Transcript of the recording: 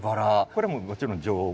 これももちろん丈夫。